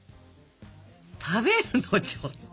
食べるのちょっと！